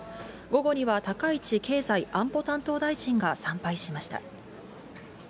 午後には高市経済安保担当大臣が参拝しました。